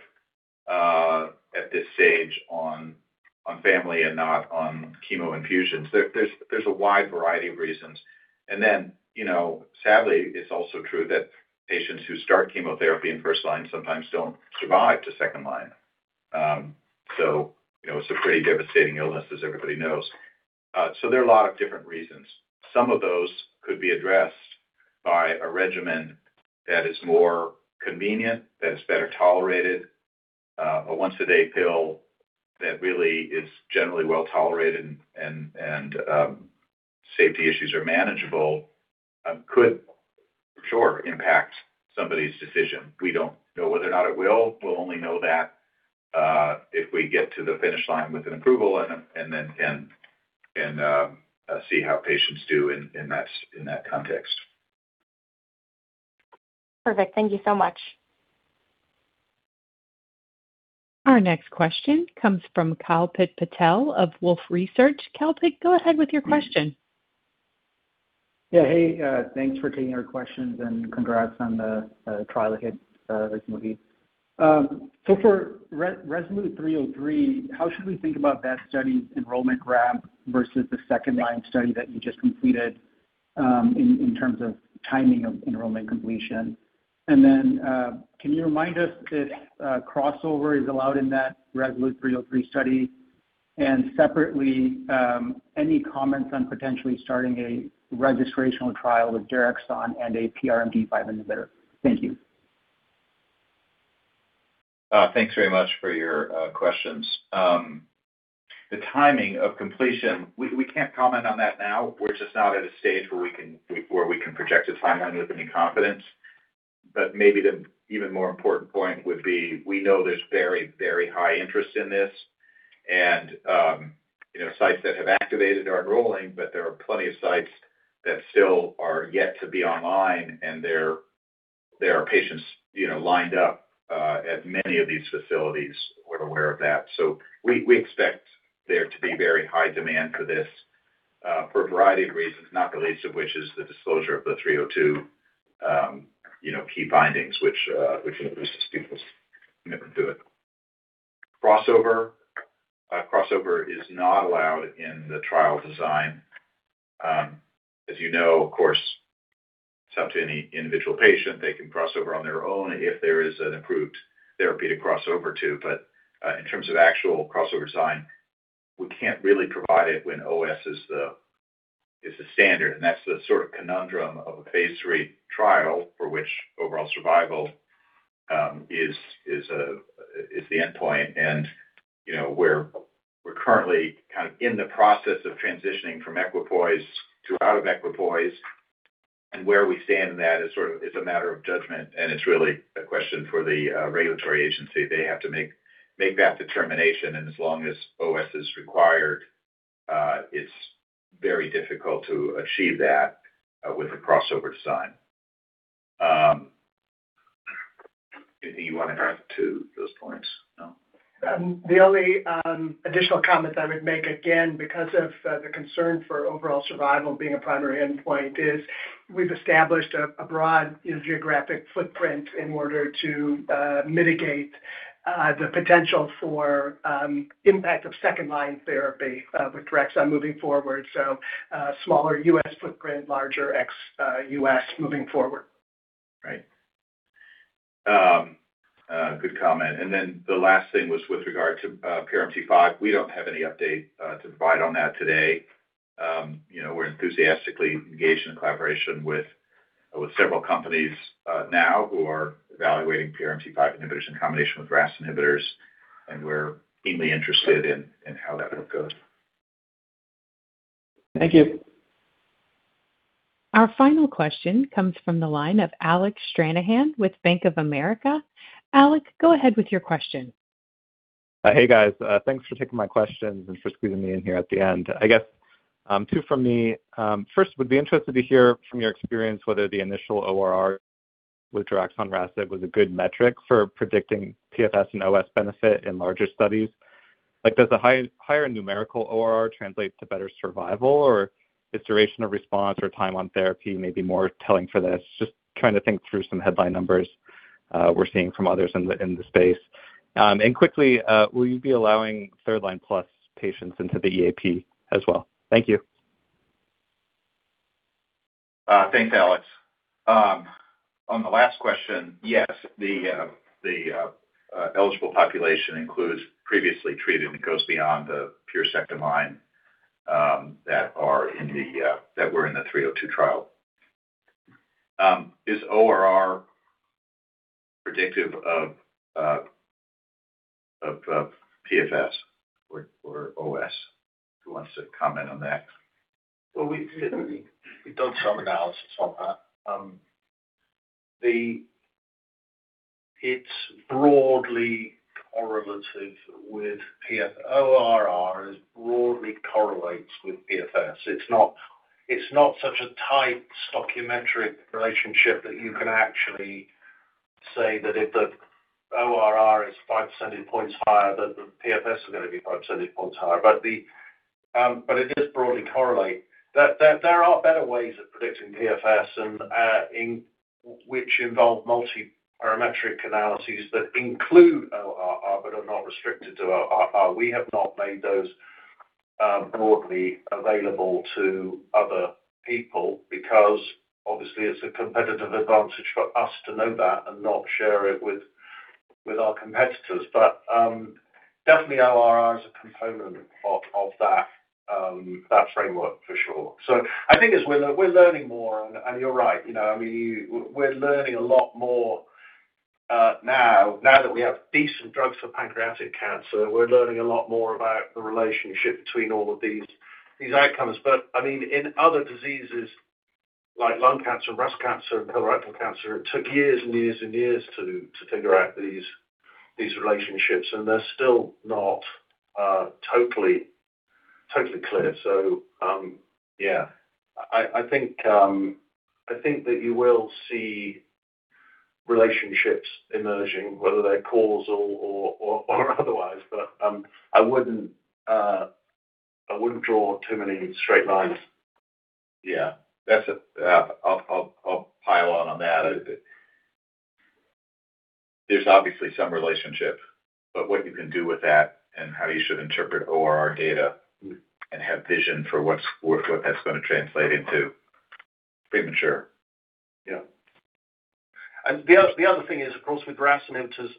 at this stage on family and not on chemo infusions. There's a wide variety of reasons. You know, sadly, it's also true that patients who start chemotherapy in first line sometimes don't survive to second line. You know, it's a pretty devastating illness as everybody knows. There are a lot of different reasons. Some of those could be addressed by a regimen that is more convenient, that is better tolerated. A once a day pill that really is generally well tolerated and safety issues are manageable, could for sure impact somebody's decision. We don't know whether or not it will. We'll only know that if we get to the finish line with an approval and see how patients do in that context. Perfect. Thank you so much. Our next question comes from Kalpit Patel of Wolfe Research. Kalpit, go ahead with your question. Hey, thanks for taking our questions. Congrats on the trial ahead, moving. For RASolute 303, how should we think about that study's enrollment ramp versus the second-line study that you just completed in terms of timing of enrollment completion? Can you remind us if crossover is allowed in that RASolute 303 study? Separately, any comments on potentially starting a registrational trial with daraxonrasib and a PRMT5 inhibitor? Thank you. Thanks very much for your questions. The timing of completion, we can't comment on that now. We're just not at a stage where we can project a timeline with any confidence. Maybe the even more important point would be we know there's very, very high interest in this and, you know, sites that have activated are enrolling, but there are plenty of sites that still are yet to be online, and there are patients, you know, lined up at many of these facilities. We're aware of that. We expect there to be very high demand for this for a variety of reasons, not the least of which is the disclosure of the 302, you know, key findings which elicits people to, you know, do it. Crossover. Crossover is not allowed in the trial design. As you know, of course, it's up to any individual patient. They can cross over on their own if there is an approved therapy to cross over to. In terms of actual crossover design, we can't really provide it when OS is the standard, and that's the sort of conundrum of a phase III trial for which overall survival is the endpoint. You know, we're currently kind of in the process of transitioning from equipoise to out of equipoise. Where we stand in that is sort of, it's a matter of judgment, and it's really a question for the regulatory agency. They have to make that determination, as long as OS is required, it's very difficult to achieve that with a crossover design. Do you wanna add to those points? No. The only additional comments I would make, again, because of the concern for overall survival being a primary endpoint is we've established a broad geographic footprint in order to mitigate the potential for impact of second-line therapy with daraxonrasib moving forward. Smaller U.S. footprint, larger ex U.S. moving forward. Right. Good comment. The last thing was with regard to PRMT5. We don't have any update to provide on that today. You know, we're enthusiastically engaged in a collaboration with several companies now who are evaluating PRMT5 inhibitors in combination with RAS inhibitors, and we're keenly interested in how that work goes. Thank you. Our final question comes from the line of Alec Stranahan with Bank of America. Alec, go ahead with your question. Hey, guys. Thanks for taking my questions and for squeezing me in here at the end. I guess, two from me. First, would be interested to hear from your experience whether the initial ORR with daraxonrasib was a good metric for predicting PFS and OS benefit in larger studies. Like, does a higher numerical ORR translate to better survival, or is duration of response or time on therapy maybe more telling for this? Just trying to think through some headline numbers we're seeing from others in the space. Quickly, will you be allowing third-line plus patients into the EAP as well? Thank you. Thanks, Alec. On the last question, yes, the eligible population includes previously treated, and it goes beyond the pure second-line that are in the that were in the 302 trial. Is ORR predictive of PFS or OS? Who wants to comment on that? Well, we've done some analysis on that. It's broadly correlative with PFS. ORR is broadly correlates with PFS. It's not such a tight stoichiometric relationship that you can actually say that if the ORR is 5 percentage points higher, that the PFS is gonna be 5 percentage points higher. It is broadly correlate. There are better ways of predicting PFS and in which involve multiparametric analyses that include ORR, but are not restricted to ORR. We have not made those broadly available to other people because obviously it's a competitive advantage for us to know that and not share it with our competitors. Definitely ORR is a component of that framework for sure. I think as we're learning more, and you're right, you know. I mean, we're learning a lot more now that we have decent drugs for pancreatic cancer. We're learning a lot more about the relationship between all of these outcomes. I mean, in other diseases like lung cancer, breast cancer, and colorectal cancer, it took years and years and years to figure out these relationships, and they're still not totally clear. Yeah. I think that you will see relationships emerging, whether they're causal or otherwise, but I wouldn't draw too many straight lines. Yeah. That's a, I'll pile on on that. There's obviously some relationship, what you can do with that and how you should interpret ORR data and have vision for what that's gonna translate into, premature. Yeah. The other thing is, of course, with RAS inhibitors,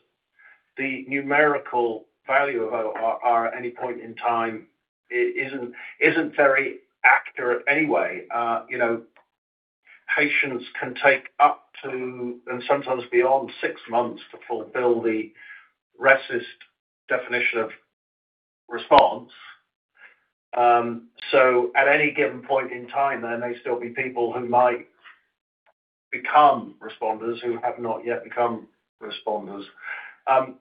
the numerical value of ORR at any point in time isn't very accurate anyway. You know, patients can take up to, and sometimes beyond six months to fulfill the RECIST definition of response. At any given point in time, there may still be people who might become responders who have not yet become responders. The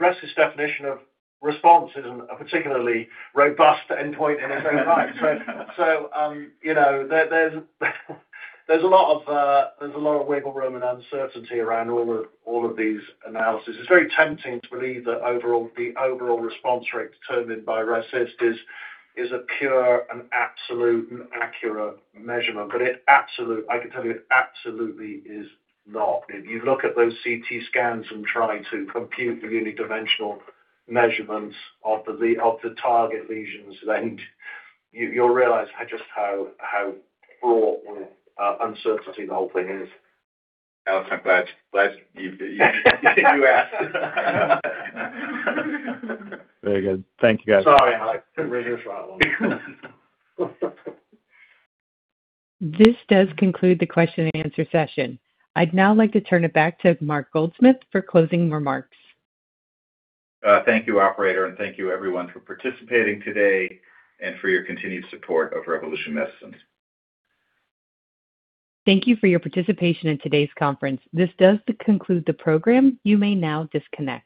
RECIST definition of response isn't a particularly robust endpoint in its own right. You know, there's a lot of wiggle room and uncertainty around all of these analyses. It's very tempting to believe that the overall response rate determined by RECIST is a pure and absolute and accurate measurement. I can tell you it absolutely is not. If you look at those CT scans and try to compute the unidimensional measurements of the target lesions, then you'll realize just how fraught with uncertainty the whole thing is. Alec, I'm glad you asked. Very good. Thank you, guys. Sorry, Alec. Really hard one. This does conclude the question and answer session. I'd now like to turn it back to Mark Goldsmith for closing remarks. Thank you, operator, and thank you everyone for participating today and for your continued support of Revolution Medicines. Thank you for your participation in today's conference. This does conclude the program. You may now disconnect.